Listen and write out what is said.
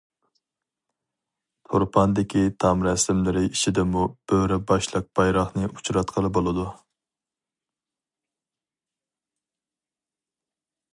تۇرپاندىكى تام رەسىملىرى ئىچىدىمۇ بۆرە باشلىق بايراقنى ئۇچراتقىلى بولىدۇ.